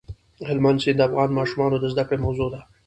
هلمند سیند د افغان ماشومانو د زده کړې موضوع ده.